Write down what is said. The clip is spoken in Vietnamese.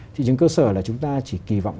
thị trường cơ sở là chúng ta chỉ kỳ vọng